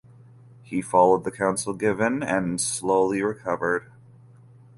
He followed the counsel given and slowly recovered.